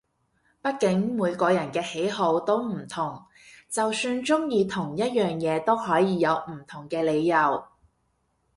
畢竟每個人嘅喜好都唔同，就算中意同一樣嘢都可以有唔同嘅理由